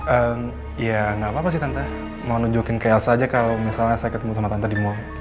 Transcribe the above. ehm ya gak apa apa sih tante mau nunjukin ke elsa aja kalau misalnya saya ketemu sama tante di mall